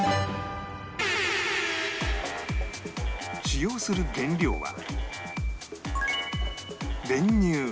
使用する原料は練乳